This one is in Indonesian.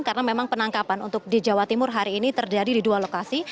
karena memang penangkapan untuk di jawa timur hari ini terjadi di dua lokasi